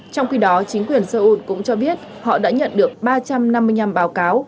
trong khi đó chính quyền seoul cũng cho biết họ đã nhận được ba trăm năm mươi năm báo cáo